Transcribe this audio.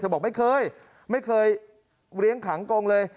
เธอบอกนะไม่เคยเหล้งขังกลงเลย